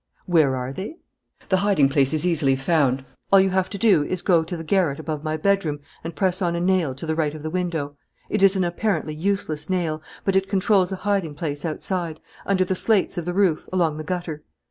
"Where are they?" "The hiding place is easily found. All you have to do is to go to the garret above my bedroom and press on a nail to the right of the window. It is an apparently useless nail, but it controls a hiding place outside, under the slates of the roof, along the gutter."